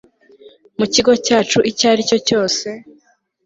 mu kigo cyacu icyo aricyo cyose